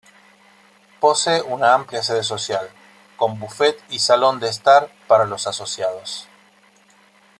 Posee una amplia sede social, con Buffet y Salón de estar para los asociados.